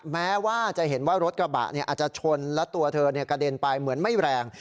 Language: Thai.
แม้ว่าจะเห็นว่ารถกระบะอาจจะชนและตัวเธอกระเด็นไปเหมือนไม่แรง